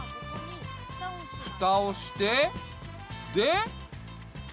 ふたをしてで。